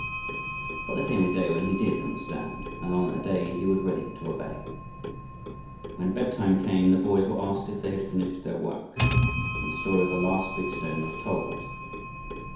But there came a day when he did understand, and on that day he was ready to obey. When bedtime came the boys were asked if they had finished their work, and the story of the last big stone was told.